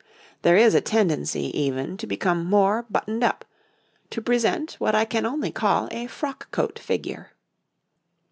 There is a tendency, even, to become more buttoned up to present what I can only call a frock coat figure.